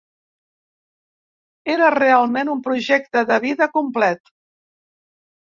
Era realment un projecte de vida complet.